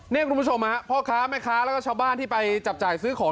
นี่คุณผู้ชมฮะพ่อค้าแม่ค้าแล้วก็ชาวบ้านที่ไปจับจ่ายซื้อของ